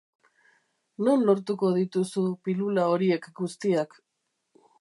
Non lortuko dituzu pilula horiek guztiak?